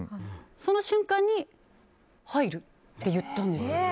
その瞬間に、入るって言ったんですよ。